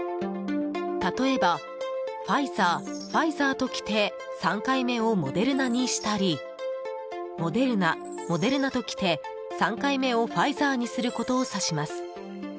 例えばファイザー、ファイザーときて３回目をモデルナにしたりモデルナ、モデルナときて３回目をファイザーにすることを指します。